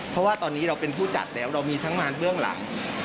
เพราะว่าตอนนี้เราเป็นผู้จัดแล้วเรามีทั้งมารเบื้องหลัง